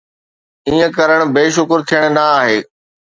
ائين ڪرڻ بي شڪر ٿيڻ نه آهي.